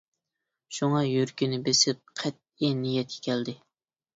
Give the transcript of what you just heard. شۇڭا، يۈرىكىنى بېسىپ قەتئىي نىيەتكە كەلدى.